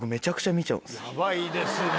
ヤバいですね。